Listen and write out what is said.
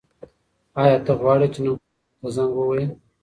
ایا ته غواړې چې نن خپل زوی ته زنګ ووهې؟